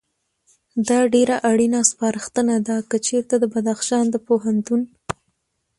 دا ډېره اړینه سپارښتنه ده، که چېرته د بدخشان د پوهنتون